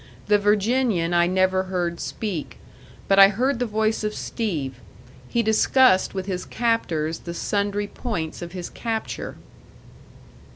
The Virginian I never heard speak. But I heard the voice of Steve; he discussed with his captors the sundry points of his capture.